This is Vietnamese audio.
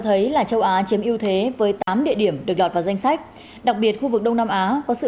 thấy là châu á chiếm ưu thế với tám địa điểm được lọt vào danh sách đặc biệt khu vực đông nam á có sự